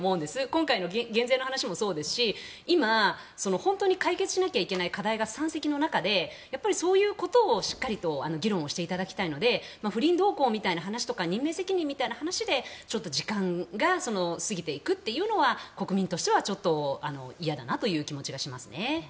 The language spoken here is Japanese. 今回の減税の話もそうですし今、本当に解決しなきゃいけない課題が山積の中でそういうことをしっかりと議論をしていただきたいので不倫どうこうみたいな話とか任命責任みたいな話でちょっと時間が過ぎていくというのは国民としてはちょっと嫌だなという気持ちがしますね。